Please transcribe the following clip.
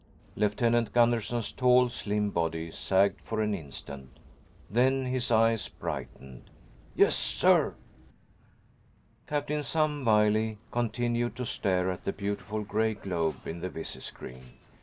Lieutenant Gunderson's tall, slim body sagged for an instant. Then his eyes brightened. "Yes, sir!" ———— Captain Sam Wiley continued to stare at the beautiful gray globe in the visi screen.